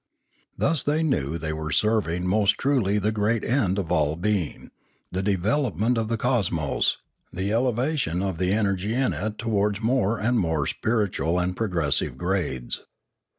Thus they knew they were serv iug most truly the great end of all being, the develop ment of the cosmos, the elevation of the energy in it towards more and more spiritual and progressive grades.